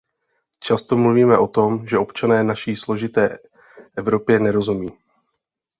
Často mluvíme o tom, že občané naší složité Evropě nerozumí.